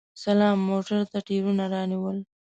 سلام موټر ته ټیرونه رانیول!